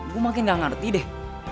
gue makin gak ngerti deh